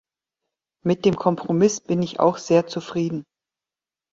Mit dem Kompromiss bin ich auch sehr zufrieden.